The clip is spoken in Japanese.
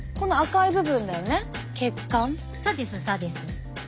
そうですそうです。